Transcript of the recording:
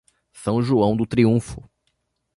São João do Triunfo